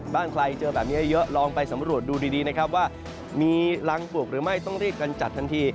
ใครเจอแบบนี้เยอะลองไปสำรวจดูดีนะครับว่ามีรังปวกหรือไม่ต้องรีบกันจัดทันที